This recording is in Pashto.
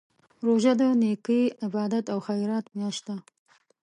روژه د نېکۍ، عبادت او خیرات میاشت ده.